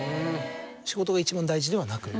仕事が一番大事ではなく。